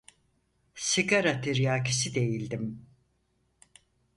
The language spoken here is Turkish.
Sigara tiryakisi değildim.